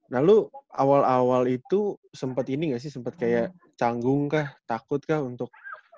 lalu awal awal itu sempat ini gak sih sempat kayak canggung kah takut kah untuk